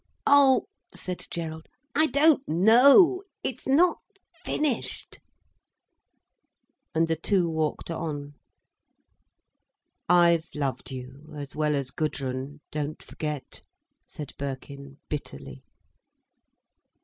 "Oh," said Gerald, "I don't know. It's not finished—" And the two walked on. "I've loved you, as well as Gudrun, don't forget," said Birkin bitterly.